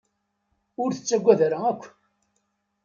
Ur tettaggad ara akk.